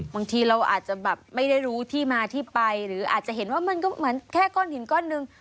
บางทีเราอาจจะแบบไม่ได้รู้ที่มาที่ไปหรืออาจจะเห็นว่ามันก็เหมือนแค่ก้อนหินก้อนหนึ่ง